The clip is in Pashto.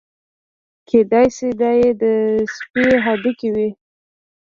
کېدای شي دا یې د سپي هډوکي وي.